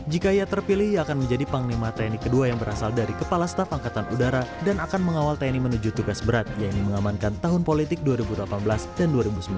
jika ia terpilih ia akan menjadi panglima tni kedua yang berasal dari kepala staf angkatan udara dan akan mengawal tni menuju tugas berat yaitu mengamankan tahun politik dua ribu delapan belas dan dua ribu sembilan belas